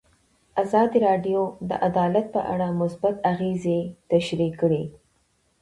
ازادي راډیو د عدالت په اړه مثبت اغېزې تشریح کړي.